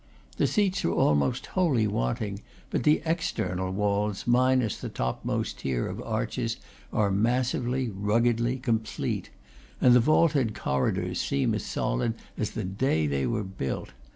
The seats are almost wholly wanting; but the external walls minus the topmost tier of arches, are massively, rug gedly, complete; and the vaulted corridors seem as solid as the day they were built.